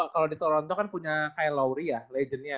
kalau di toronto kan punya kayak lowry ya legendnya